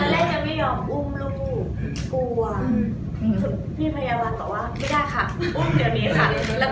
เราก็ต้องกลัว